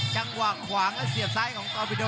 จังหวะขวางและเสียบซ้ายของกอปิโด